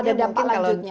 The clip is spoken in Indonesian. ada dampak lanjutnya